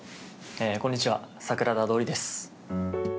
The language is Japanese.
こんにちは桜田通です。